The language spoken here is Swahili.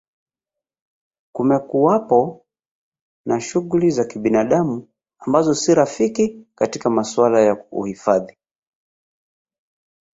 Kumekuwapo na shughuli za kinabadamu ambazo si rafiki katika masuala ya uhifadhi